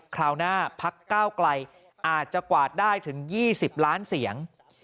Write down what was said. คราวหน้าพักก้าวไกลอาจจะกวาดได้ถึง๒๐ล้านเสียง